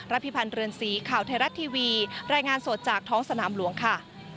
พิพันธ์เรือนสีข่าวไทยรัฐทีวีรายงานสดจากท้องสนามหลวงค่ะ